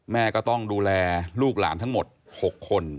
แม่ก็ต้องดูแลลูกหลานทั้งหมด๖คน